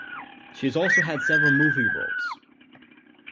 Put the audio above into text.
She has also had several movie roles.